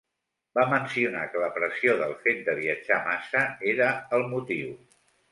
Va mencionar que la pressió del fet de viatjar massa era el motiu.